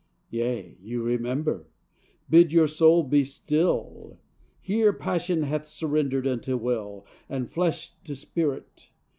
Yea, you remember! Bid your soul be still! Here passion hath surrendered unto will, And flesh to spirit.